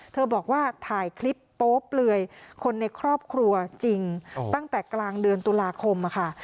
บอกว่าถ่ายคลิปโป๊เปลือยคนในครอบครัวจริงตั้งแต่กลางเดือนตุลาคมค่ะ